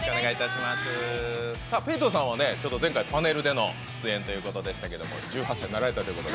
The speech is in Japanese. ペイトンさんは前回パネルでの出演ということでしたけど１８歳になられたということで。